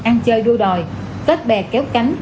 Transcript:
ăn chơi đua đòi kết bè kéo cánh